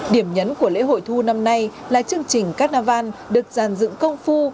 điểm nhấn của lễ hội thu năm nay là chương trình carnival được giàn dựng công phu